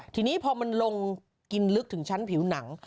ทีนี้พอมันลงกินลึกถึงชั้นผิวหนัง